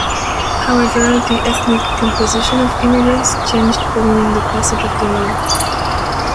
However, the ethnic composition of immigrants changed following the passage of the law.